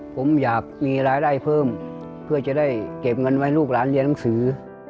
ผมอยากมีรายได้เพิ่มเพื่อจะได้เก็บเงินไว้ลูกหลานเรียนหนังสือ